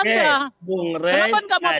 bung rey tadi clear menjawab bahwa itu disalahkan